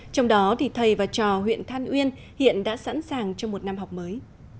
trong đó thì thầy và trò huyện than uyên hiện đã sẵn sàng cho một năm học mới